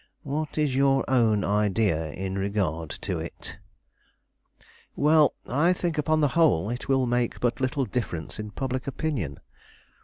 "What is your own idea in regard to it?" "Well, I think upon the whole it will make but little difference in public opinion.